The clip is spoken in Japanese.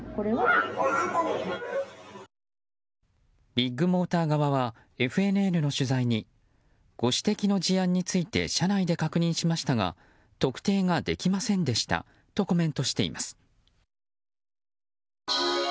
ビッグモーター側はＦＮＮの取材にご指摘の事案について社内で確認しましたが特定ができませんでしたとコメントしています。